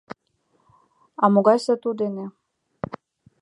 А могай сату дене?..